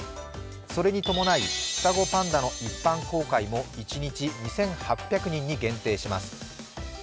それに伴い、双子パンダの一般公開も一日２８００人に限定します。